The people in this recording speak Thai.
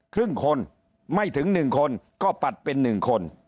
ครึ่งคนไม่ถึง๑คนก็ปัดเป็นหนึ่งคน